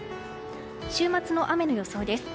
週末の雨の予想です。